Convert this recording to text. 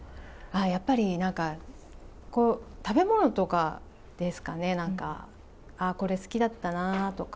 やっぱりなんか、食べ物とかですかね、なんか、ああ、これ好きだったなとか。